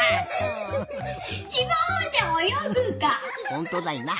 ほんとだいな。